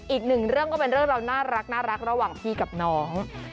อีกหนึ่งเรื่องก็เป็นเรื่องราวน่ารักระหว่างพี่กับน้อง